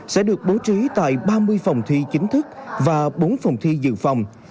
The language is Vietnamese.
sẽ được bố trí tại ba mươi phòng thi chính thức và bốn phòng thi dự phòng